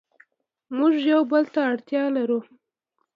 موږ یو بل ته اړتیا لرو.